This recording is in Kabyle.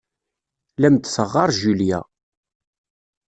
La am-d-teɣɣar Julia.